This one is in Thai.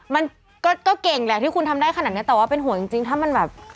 มันก็เก่งแหละที่คุณทำได้ขนาดนี้แต่ว่าเป็นห่วงจริงถ้ามันแบบ